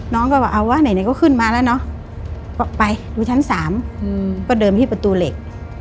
น้องก็บอกเอาวะไหนก็ขึ้นมาแล้วเนาะไปดูชั้น๓ก็เดินที่ประตูเหล็ก